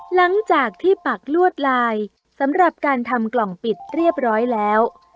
หลังจากที่ปักลวดลายสำหรับการทำกล่องปิดเรียบร้อยแล้ว